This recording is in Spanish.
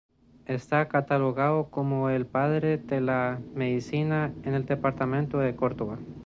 Está catalogado como el Padre de la medicina en el departamento de Córdoba.